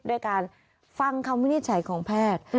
ด้วยการฟังคำวินิจฉัยของแพทย์